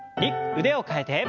腕を替えて。